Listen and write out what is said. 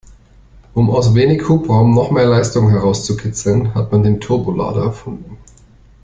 Um aus wenig Hubraum noch mehr Leistung herauszukitzeln, hat man Turbolader erfunden.